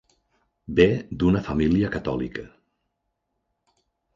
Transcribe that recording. Ve d'una família catòlica.